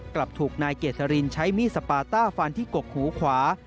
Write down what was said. กลับถูกนายเกษรินใช้มีดสปาต้าฟันที่กกหูขวา